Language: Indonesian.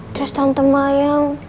terus tante mayang